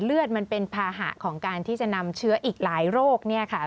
มันเป็นภาหะของการที่จะนำเชื้ออีกหลายโรคเนี่ยค่ะ